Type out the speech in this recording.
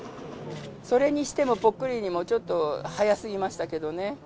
それにしても、ぽっくりにもちょっと早すぎましたけどね。